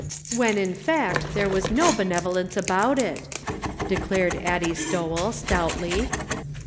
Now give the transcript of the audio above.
" When, in fact, there was no benevolence about it," declared Addie Stowell, stoutly.